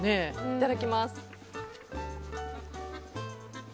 いただきます。